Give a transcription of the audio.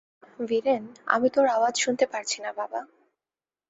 ভিরেন, আমি তোর আওয়াজ শুনতে পারছি না বাবা।